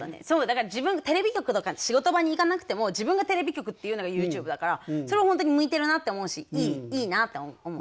そうだから自分がテレビ局とか仕事場に行かなくても自分がテレビ局っていうのがＹｏｕＴｕｂｅだからそれは本当に向いてるなって思うしいいなって思う。